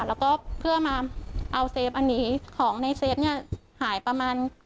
แล้วก็เพื่อมาเอาเซฟอันนี้ของในเซฟเนี่ยหายประมาณ